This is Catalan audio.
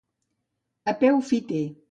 A peu fiter.